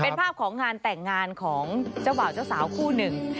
เป็นภาพของงานแต่งงานของเจ้าบ่าวเจ้าสาวคู่หนึ่ง